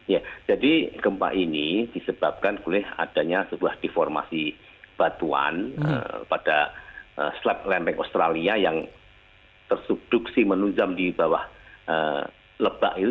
ya jadi gempa ini disebabkan oleh adanya sebuah deformasi batuan pada slab lempeng australia yang tersubduksi menunjang di bawah lebak itu